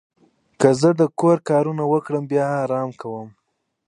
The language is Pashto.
که زه د کور کارونه وکړم، بیا آرام کوم.